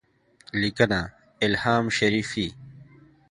لیکنه: الهام شریفی